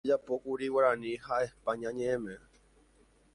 Upe aty ojejapókuri Guarani ha España ñeʼẽme.